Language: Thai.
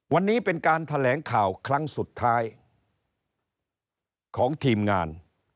วันนี้เป็นการแถลงข่าวครั้งสุดท้ายของทีมงาน